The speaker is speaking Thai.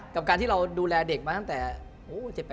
กับการที่เราดูแลเด็กมาตั้งแต่